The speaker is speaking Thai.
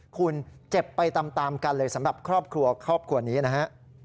คุณเจ็บไปตามกันเลยสำหรับครอบครัวครอบครัวนี้นะฮะ